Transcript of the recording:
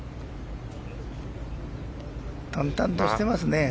淡々としていますね。